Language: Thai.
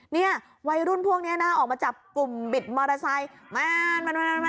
เนี่ยวัยรุ่นพวกนี้นะออกมาจับกลุ่มบิดมอเตอร์ไซค์มา